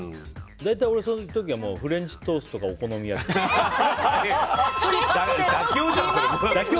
その時はフレンチトーストかお好み焼き。